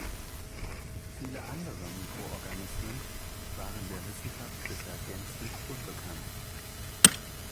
Viele andere Mikroorganismen waren der Wissenschaft bisher gänzlich unbekannt.